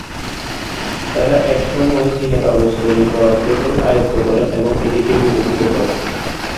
তারা এসময় চীনা কাগজ তৈরির কলাকৌশল আয়ত্ত করে এবং এটিকে বিকশিত করে।